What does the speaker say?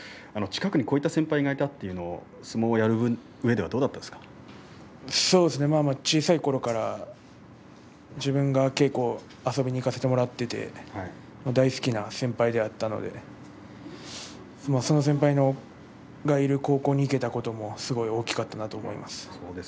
近くにこういった先輩がいたというのは相撲をやるうえではどう小さいころから自分が稽古，遊びにいかせてもらっていて大好きな先輩だったのでその先輩がいる高校に行けたこともすごい大きかったがと思います。